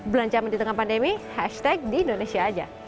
belanjamen di tengah pandemi hashtag di indonesia aja